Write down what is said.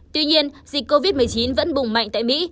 tuy nhiên dịch covid một mươi chín vẫn bùng mạnh tại mỹ